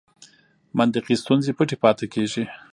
منطقي ستونزې پټې پاتې کېږي.